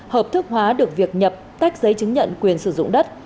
hợp thức hóa được việc nhập tách giấy chứng nhận quyền sử dụng đất